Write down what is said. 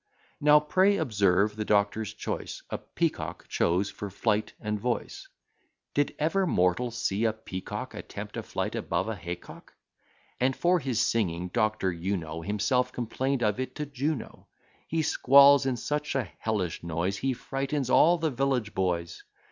Now, pray, observe the doctor's choice, A Peacock chose for flight and voice; Did ever mortal see a peacock Attempt a flight above a haycock? And for his singing, doctor, you know Himself complain'd of it to Juno. He squalls in such a hellish noise, He frightens all the village boys.